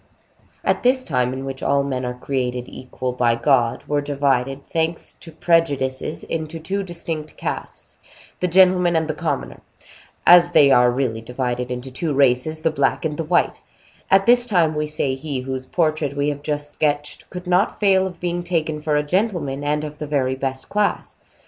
At this time, in which men, all created equal by God, were divided, thanks to prejudices, into two distinct castes, the gentlemen and the commoner, as they are really divided into two races, the black and the white,—at this time, we say, he whose portrait we have just sketched could not fail of being taken for a gentleman, and of the best class.